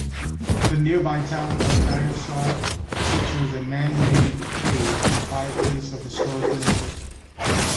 The nearby town of Niasar features a man-made cave and fireplace of historical interest.